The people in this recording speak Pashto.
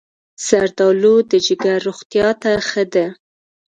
زردالو د جگر روغتیا ته ښه ده.